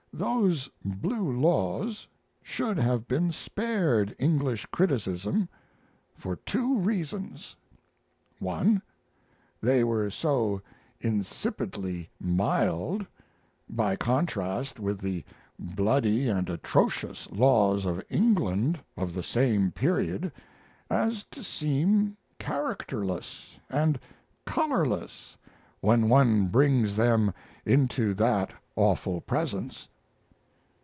Those Blue Laws should have been spared English criticism for two reasons: 1. They were so insipidly mild, by contrast with the bloody and atrocious laws of England of the same period, as to seem characterless and colorless when one brings them into that awful presence.